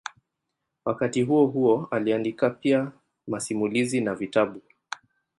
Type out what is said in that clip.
Wakati huohuo aliandika pia masimulizi na vitabu.